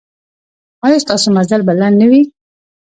ایا ستاسو مزل به لنډ نه وي؟